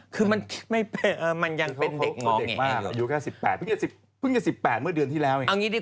คือมันไม่มันยังเป็นเด็กน้องไง